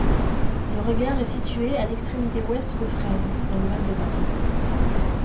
Le regard est situé à l'extrémité ouest de Fresnes, dans le Val-de-Marne.